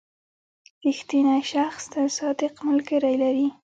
• رښتینی شخص تل صادق ملګري لري.